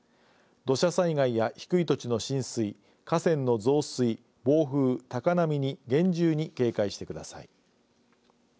土砂災害や低い土地の浸水河川の増水暴風、高波に厳重に警戒してください。